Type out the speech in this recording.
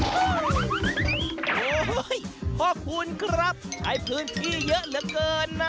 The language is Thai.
โอ้โหพ่อคุณครับใช้พื้นที่เยอะเหลือเกินนะ